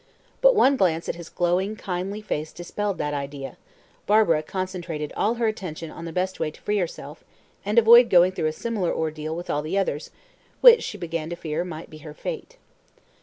But one glance at his glowing, kindly face dispelling that idea, Barbara concentrated all her attention on the best way to free herself, and avoid going through a similar ordeal with all the others, which, she began to fear, might be her fate.